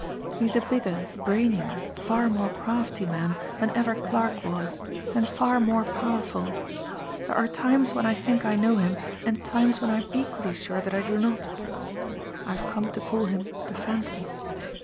He is a bigger, brainier, far more crafty man than ever Clarke was, and far more powerful. There are times when 1 think I know him, and times when I am equally sure that I do not. I have come to call him the Phantom.